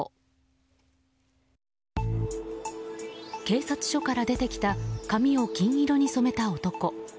警察署から出てきた髪を金色に染めた男。